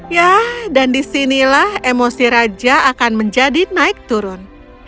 ya dan disinilah emosi raja akan menjadi naik turun